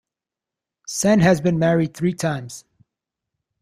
Sen has been married three times.